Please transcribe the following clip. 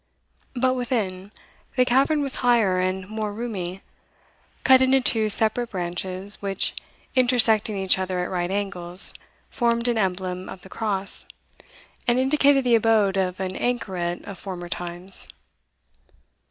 But within, the cavern was higher and more roomy, cut into two separate branches, which, intersecting each other at right angles, formed an emblem of the cross, and indicated the abode of an anchoret of former times.